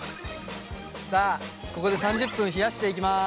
さあここで３０分冷やしていきます。